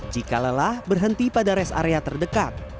jika lelah berhenti pada res area terdekat